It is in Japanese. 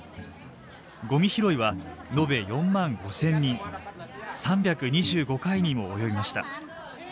ごみ拾いは延べ４万５，０００人３２５回にも及びました。